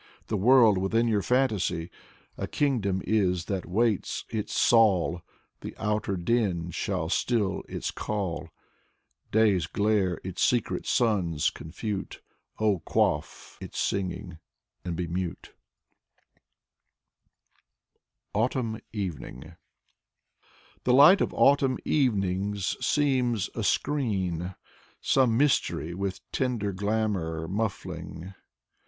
The world within your fantasy A kingdom is that waits its Saul. The outer din shall still its call, Day's glare its secret suns confute. Oh, quaff its singing, and be mute. 1 Tt. by Avrahm Yarmolinsky. Fyodor Tyutchev 27 AUTUMN EVENING The lig^t of autumn evenings seems a screen, Some mystery with tender glamor muffling.